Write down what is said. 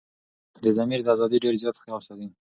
دضمير دازادي ډير زيات خيال ساتي